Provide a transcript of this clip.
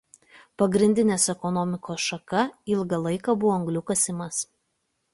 Pagrindinės ekonomikos šaka ilgą laiką buvo anglių kasimas.